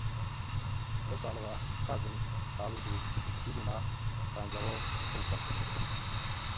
لەو ساڵەوە خازەم هاورد و چووبوومە تانجەرۆ سڵ بکەم،